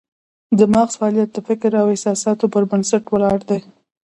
د مغز فعالیت د فکر او احساساتو پر بنسټ ولاړ دی